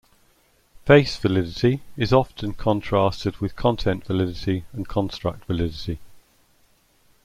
Face validity is often contrasted with content validity and construct validity.